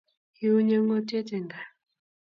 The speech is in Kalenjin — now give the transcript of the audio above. Kiuny'e ung'otiet eng kaa